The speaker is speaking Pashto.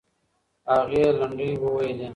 هغې لنډۍ وویلې.